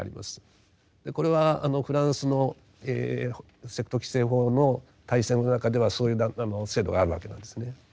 これはフランスのセクト規制法の体制の中ではそういう制度があるわけなんですね。